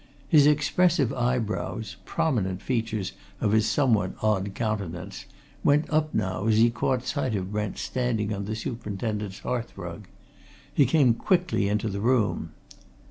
His expressive eyebrows prominent features of his somewhat odd countenance went up now as he caught sight of Brent standing on the superintendent's hearth rug. He came quickly into the room.